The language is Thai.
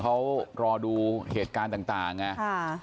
เขารอดูเหตุการณ์ต่างครับครับ